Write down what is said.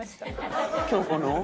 京子の？